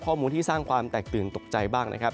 ข้อมูลที่สร้างความแตกตื่นตกใจบ้างนะครับ